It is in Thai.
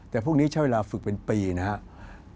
แต่พวกนี้ใช้เวลาฝึกเป็นปีนะครับ